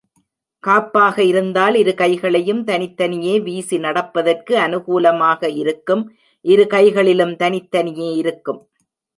காப்பாக இருந்தால் இரு கைகளையும் தனித்தனியே வீசி நடப்பதற்கு அநுகூலமாக இருக்கும் இரு கைகளிலும் தனித்தனியே இருக்கும்.